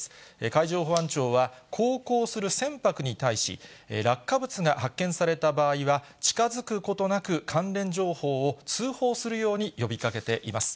海上保安庁は、航行する船舶に対し、落下物が発見された場合は、近づくことなく関連情報を通報するように呼びかけています。